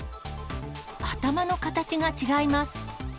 頭の形が違います。